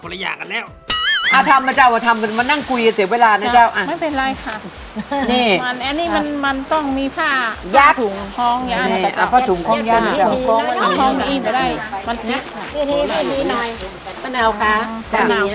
แล้วก่อนมาเป็นใบชาและก่อนมาเป็นใบชาเนี่ยมันเป็นอะไรมาก่อนเนี่ยเจ้า